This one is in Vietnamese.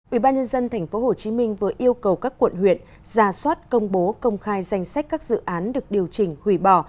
ubnd tp hcm vừa yêu cầu các quận huyện ra soát công bố công khai danh sách các dự án được điều chỉnh hủy bỏ